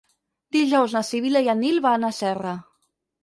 Dijous na Sibil·la i en Nil van a Serra.